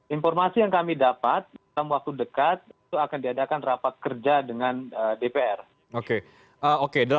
informasi yang kami dapat dalam waktu dekat itu akan diadakan rapat kerja dengan dpr